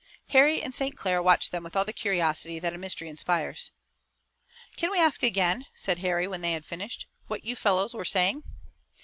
Harry and St. Clair watched them with all the curiosity that a mystery inspires. "Can we ask again," said Harry, when they had finished, "what you fellows were saying?"